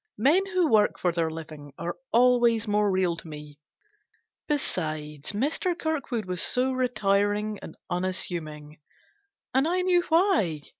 Men who work for their living are always more real to me. Besides, Mr. Kirkwood was so retiring and unassuming ; and I knew why.